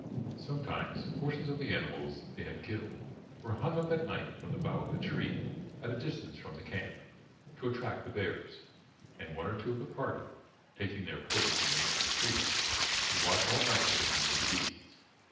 Sometimes portions of the animals they had killed were hung up at night from the bough of a tree at a distance from the camp, to attract the bears, and one or two of the party, taking their post in neighbouring trees, would watch all night for the coming of the beasts.